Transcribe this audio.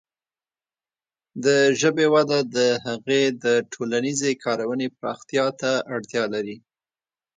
د ژبې وده د هغې د ټولنیزې کارونې پراختیا ته اړتیا لري.